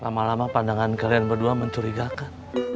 lama lama pandangan kalian berdua mencurigakan